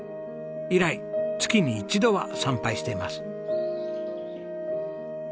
以来月に一度は参拝しています。